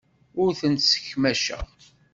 Ur tent-ssekmaceɣ.